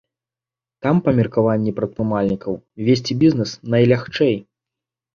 Там, па меркаванні прадпрымальнікаў, весці бізнес найлягчэй.